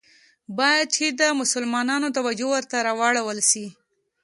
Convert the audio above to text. باید چي د مسلمانانو توجه ورته راوړوله سي.